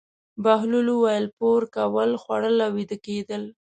بهلول وویل: پور کول، خوړل او ویده کېدل.